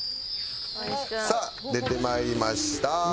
さあ出てまいりました。